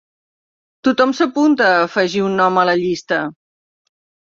Tothom s'apunta a afegir un nom a la llista.